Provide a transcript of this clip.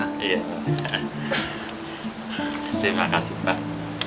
terima kasih pak